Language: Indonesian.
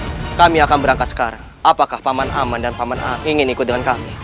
nah kami akan berangkat sekarang apakah paman aman dan paman a ingin ikut dengan kami